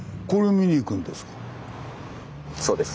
そうです。